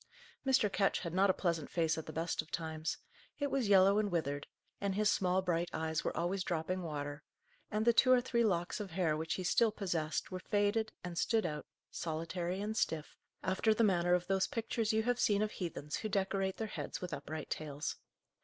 Mr. Ketch had not a pleasant face at the best of times: it was yellow and withered; and his small bright eyes were always dropping water; and the two or three locks of hair, which he still possessed, were faded, and stood out, solitary and stiff, after the manner of those pictures you have seen of heathens who decorate their heads with upright tails.